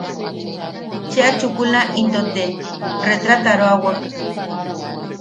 Cheʼa chukula into te retrataroawak.